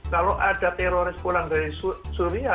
kalau ada teroris pulang dari suria